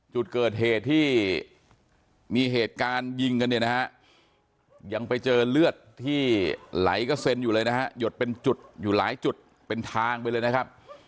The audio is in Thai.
จุดเกิดเหตุที่มีเหตุการณ์ยิงกันเนี่ยนะฮะยังไปเจอเลือดที่ไหลกระเซ็นอยู่เลยนะฮะหยดเป็นจุดอยู่หลายจุดเป็นทางไปเลยนะครับ